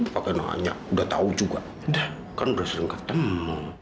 pakai nanya udah tahu juga kan udah sering ketemu